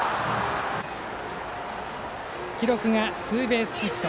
記録がツーベースヒット。